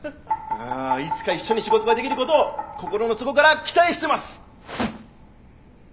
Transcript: いつか一緒に仕事ができることを心の底から期待してます！